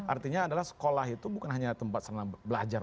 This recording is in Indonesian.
artinya adalah sekolah itu bukan hanya tempat sana belajar